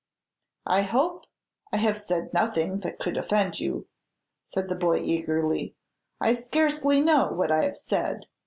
"I hope I have said nothing that could offend you," said the boy, eagerly; "I scarcely know what I have said.